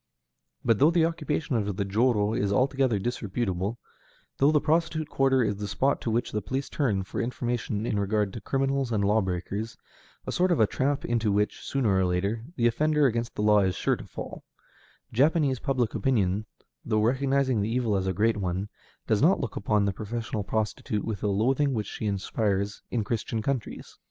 But though the occupation of the jōrō is altogether disreputable, though the prostitute quarter is the spot to which the police turn for information in regard to criminals and law breakers, a sort of a trap into which, sooner or later, the offender against the law is sure to fall, Japanese public opinion, though recognizing the evil as a great one, does not look upon the professional prostitute with the loathing which she inspires in Christian countries.